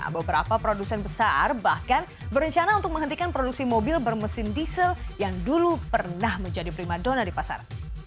beberapa produsen besar bahkan berencana untuk menghentikan produksi mobil bermesin diesel yang dulu pernah menjadi prima dona di pasar